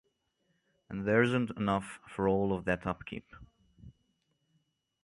And there isn't enough for all of that upkeep.